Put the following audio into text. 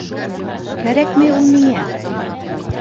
Кәрәкмәй ул миңә!